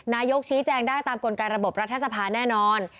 นายกชี้แจงได้ตามกลไกระบบรัฐสภาแน่นอน